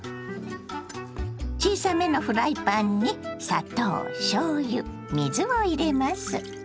小さめのフライパンに砂糖しょうゆ水を入れます。